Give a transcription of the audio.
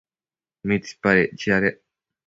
¿mitsipadec chiadec